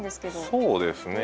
そうですね。